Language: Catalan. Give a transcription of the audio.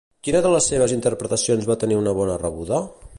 Quina de les seves interpretacions va tenir una bona rebuda?